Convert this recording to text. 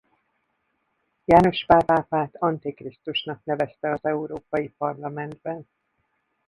János Pál pápát antikrisztusnak nevezte az Európai Parlamentben.